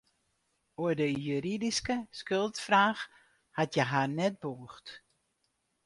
Oer de juridyske skuldfraach hat hja har net bûgd.